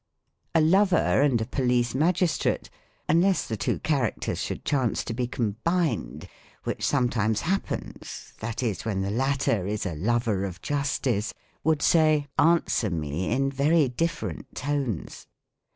120 THE COMIC ENGLISH GRAMMAR. A lover and a police magistrate (unless the two characters should chance to be combined, which some times happens, that is, when the latter is a lover of justice) would say, "Answer me," in very difFerent tones.